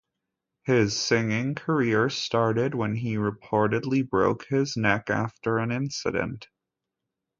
His singing career started when he reportedly broke his neck after an incident.